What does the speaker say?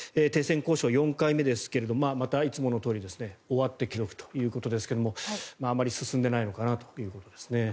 停戦交渉、４回目ですがまたいつものとおり終わって継続ということですがあまり進んでいないのかなということですね。